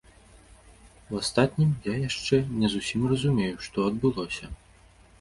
У астатнім, я яшчэ не зусім разумею, што адбылося.